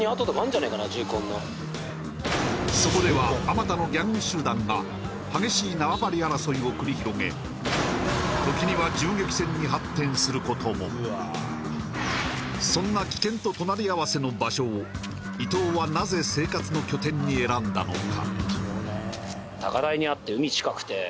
そこではあまたのギャング集団が激しい縄張り争いを繰り広げ時には銃撃戦に発展することもそんな危険と隣り合わせの場所を伊藤はなぜ生活の拠点に選んだのか？